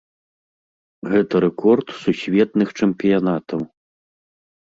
Гэта рэкорд сусветных чэмпіянатаў.